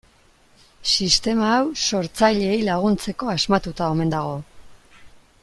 Sistema hau sortzaileei laguntzeko asmatuta omen dago.